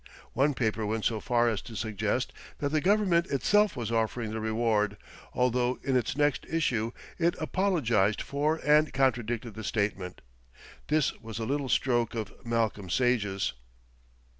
One paper went so far as to suggest that the Government itself was offering the reward, although in its next issue it apologised for and contradicted the statement this was a little stroke of Malcolm Sage's.